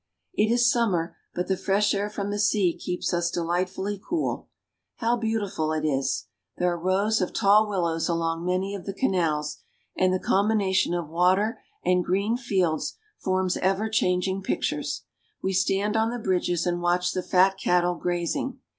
It is summer, but the fresh air from the sea keeps us delightfully cool. How beautiful it is ! There are rows of tall willows along many of the canals, and the combina tion of water and green fields foruis ever changing pic tures. We stand on the bridges and watch the fat cattle grazing.